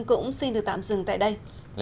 cũng xin được tạm dừng tại đây